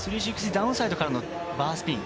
３６０ダウンサイドからのバースピン。